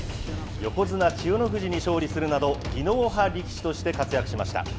横綱・千代の富士に勝利するなど、技能派力士として活躍しました。